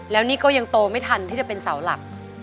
แล้วนี่ก็ยังโตไม่ทันที่จะเป็นเสาหลัก